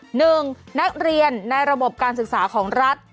หนึ่งนักเรียนในระบบการศึกษาของรัฐ